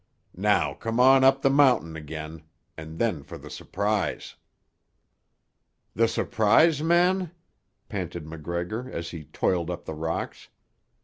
"Now come on up the mountain again, and then for the surprise." "The surprise, man?" panted MacGregor as he toiled up the rocks.